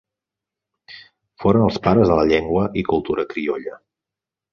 Foren els pares de la llengua i cultura criolla.